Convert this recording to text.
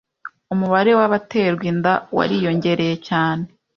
umubare wabaterwa inda wariyongereye cyane